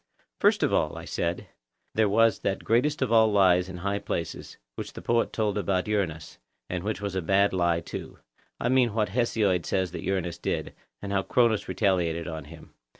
First of all, I said, there was that greatest of all lies in high places, which the poet told about Uranus, and which was a bad lie too,—I mean what Hesiod says that Uranus did, and how Cronus retaliated on him.